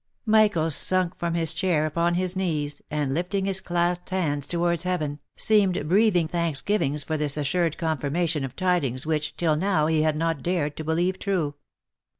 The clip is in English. Michael sunk from his chair upon his knees, and lifting his clasped hands towards Heaven, seemed breathing thanksgivings for this as sured confirmation of tidings which, till now, he had not dared to believe true.